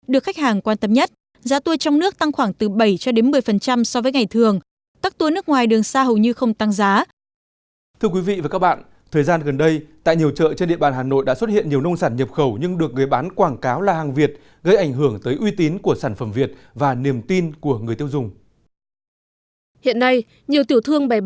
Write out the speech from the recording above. được khách hàng quan tâm nhất giá tour trong nước tăng khoảng từ bảy cho đến một mươi so với ngày thường